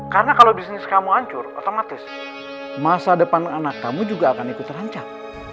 karena kalau bisnis kamu hancur otomatis masa depan anak kamu juga akan ikut terancam